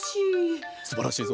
すばらしい。